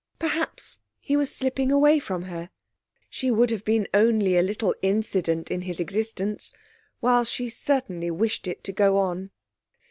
Perhaps he was slipping away from her she would have been only a little incident in his existence while she certainly wished it to go on.